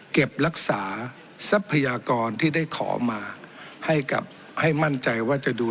เก็บรักษาทรัพยากรที่ได้ขอมาให้กับให้มั่นใจว่าจะดู